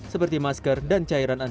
seperti masker dan cairan